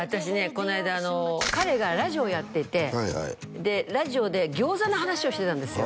この間彼がラジオをやっていてラジオで餃子の話をしてたんですよ